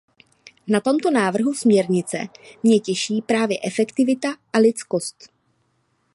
Na tomto návrhu směrnice mě těší právě efektivita a lidskost.